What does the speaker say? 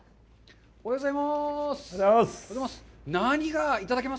おはようございます。